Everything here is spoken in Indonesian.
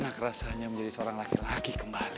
enak rasanya menjadi seorang laki laki kembali